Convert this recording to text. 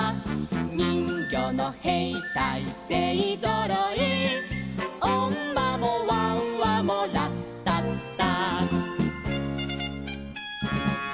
「にんぎょうのへいたいせいぞろい」「おんまもわんわもラッタッタ」